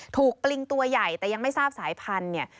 ถูกปริงตัวใหญ่แต่ยังไม่ทราบสายพันธุ์